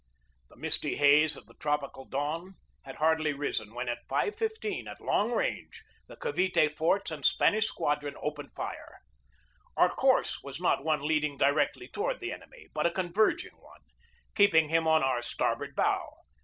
The misty haze of the tropical dawn had hardly risen when at 5.15, at long range, the Cavite forts and Spanish squadron opened fire. Our course was not one leading directly toward the enemy, but a con verging one, keeping him on our starboard bow.